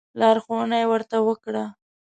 لارښوونه یې ورته وکړه.